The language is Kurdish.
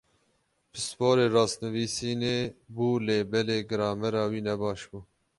Pisporê rastnivîsînê bû lê belê gramera wî nebaş bû.